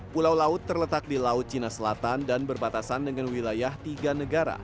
pulau laut terletak di laut cina selatan dan berbatasan dengan wilayah tiga negara